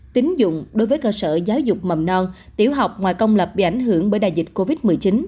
tính dụng đối với cơ sở giáo dục mầm non tiểu học ngoài công lập bị ảnh hưởng bởi đại dịch covid một mươi chín